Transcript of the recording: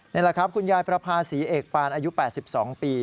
นี่แหละครับคุณยายประภาษีเอกปานอายุ๘๒ปี